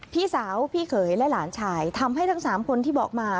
พี่สาวพี่เขยและหลานชายทำให้ทั้ง๓คนที่บอกมา